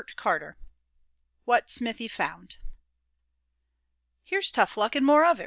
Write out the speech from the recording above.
CHAPTER XXIV. WHAT SMITHY FOUND. "Here's tough luck, and more of it!"